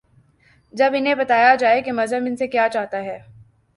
جب انہیں بتایا جائے کہ مذہب ان سے کیا چاہتا ہے۔